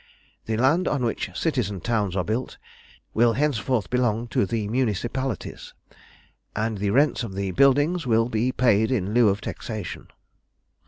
The land on which cities and towns are built will henceforth belong to the municipalities, and the rents of the buildings will be paid in lieu of taxation.